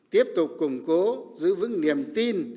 tiếp tục củng cố giữ vững niềm tin